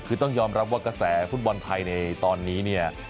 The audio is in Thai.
คือต้องยอมรับว่ากระแสฟุตบอลไทยในตอนนี้เนี่ย